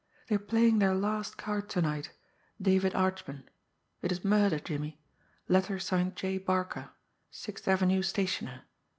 "... They are playing their last card to night ... David Archman ... it is murder, Jimmie ... letter signed J. Barca ... Sixth Avenue stationer